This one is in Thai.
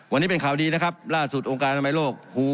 วันนี้เป็นข่าวดีนะครับล่าสุดโอกาสทำไมโรคหู